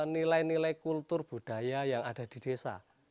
nilai nilai kultur budaya yang ada di desa